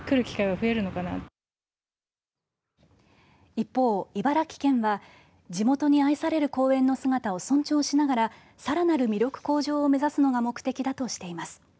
一方、茨城県は地元に愛される公園の姿を尊重しながらさらなる魅力向上を目指すのが目的だとしています。